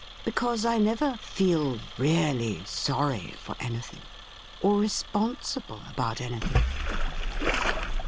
Because I never feel really sorry for anything, or responsible about, anything.'